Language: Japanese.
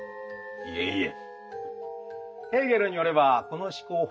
いえいえ！